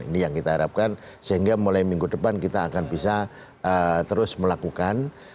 ini yang kita harapkan sehingga mulai minggu depan kita akan bisa terus melakukan